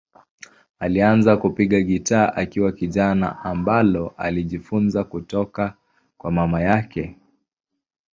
Alianza kupiga gitaa akiwa kijana, ambalo alijifunza kutoka kwa mama yake.